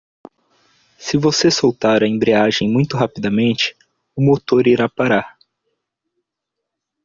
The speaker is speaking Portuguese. Se você soltar a embreagem muito rapidamente?, o motor irá parar.